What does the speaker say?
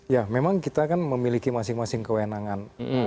ya memang kita kan memiliki masing masing kewenangan